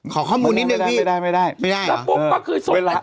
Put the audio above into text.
ขอข้อมูลนิดนึงพี่ไม่ได้เหรองั้นมันไม่ได้